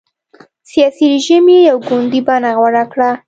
سیاسي رژیم یې یو ګوندي بڼه غوره کړه.